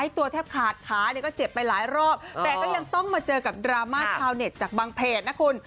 ตัวแทบขาดขาเนี่ยก็เจ็บไปหลายรอบแต่ก็ยังต้องมาเจอกับดราม่าชาวเน็ตจากบางเพจนะคุณ